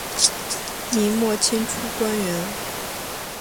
明末清初官员。